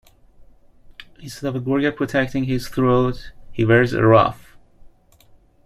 Instead of a gorget protecting his throat he wears a ruff.